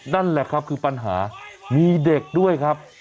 นั่นแหละครับคือปัญหามีเด็กด้วยครับ